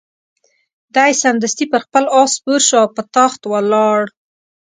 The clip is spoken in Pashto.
دی سمدستي پر خپل آس سپور شو او په تاخت ولاړ.